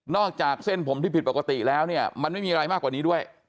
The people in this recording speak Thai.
จากเส้นผมที่ผิดปกติแล้วเนี่ยมันไม่มีอะไรมากกว่านี้ด้วย